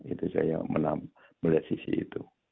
itu saya melihat sisi itu